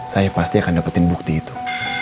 saya pasti akan dapetin bukti itu